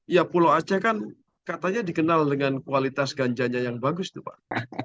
ya pulau aceh kan katanya dikenal dengan kualitas ganjanya yang bagus tuh pak